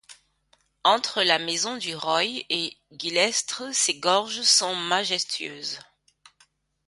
Entre la Maison du Roy et Guillestre ses gorges sont majestueuses.